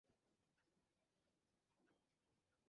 Vicodin, অক্সিকোন্টিনের মতো পেইনকিলারগুলো আছে।